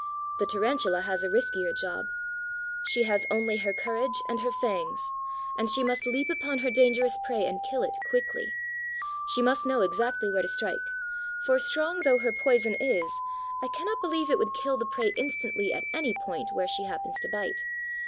The Tarantula has a riskier job. She has only her courage and her fangs, and she must leap upon her dangerous prey and kill it quickly. She must know exactly where to strike, for, strong though her poison is, I cannot believe it would kill the prey instantly at any point where she happens to bite.